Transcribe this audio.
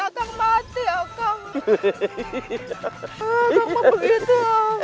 aku tidak mau begitu